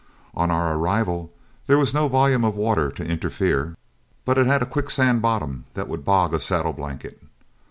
On our arrival there was no volume of water to interfere, but it had a quicksand bottom that would bog a saddle blanket.